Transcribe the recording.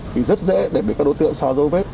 thì rất dễ để bị các đối tượng xóa dấu vết